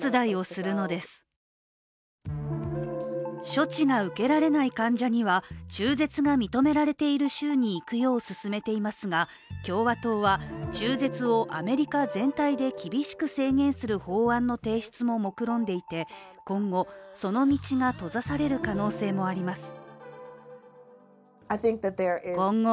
処置が受けられない患者には、中絶が認められている州に行くよう勧めていますが、共和党は中絶をアメリカ全体で厳しく制限する法案の提出ももくろんでいて今後その道が閉ざされる可能性もあります。